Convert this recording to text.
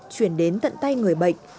truyền đến tận tay người bệnh